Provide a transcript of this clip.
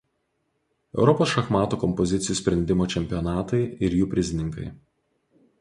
Europos šachmatų kompozicijų sprendimo čempionatai ir jų prizininkai.